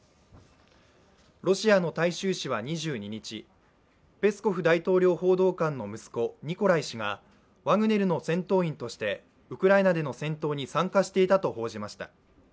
ロシアの大衆紙は２２日、ペスコフ大統領報道官の息子ニコライ氏がワグネルの戦闘員としてウクライナでの戦闘に参加していたと報じました。